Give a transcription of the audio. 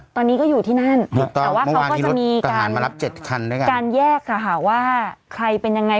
ตอนนี้ก็อยู่ที่นั่นแต่ว่าเขาก็จะมีการการแยกค่ะว่าใครเป็นยังไง